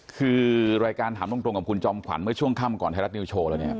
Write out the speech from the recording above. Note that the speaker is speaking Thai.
คือรายการถามตรงกับคุณจอมขวัญเมื่อช่วงค่ำก่อนไทยรัฐนิวโชว์แล้วเนี่ย